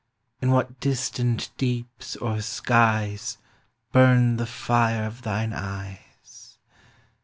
In what distant deeps or skies Burned the fire of thine eyes?